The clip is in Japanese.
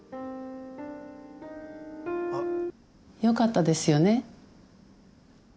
よかったですよね？